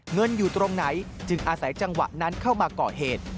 เงินอยู่ตรงไหนจึงอาศัยจังหวะนั้นเข้ามาก่อเหตุ